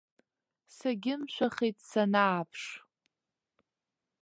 Сагьымшәахит санааԥш.